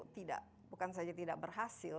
tidak bukan saja tidak berhasil